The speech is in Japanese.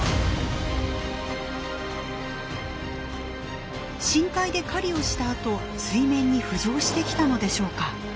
深海で狩りをしたあと水面に浮上してきたのでしょうか。